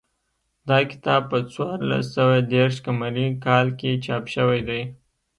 دا کتاب په څوارلس سوه دېرش قمري کال کې چاپ شوی دی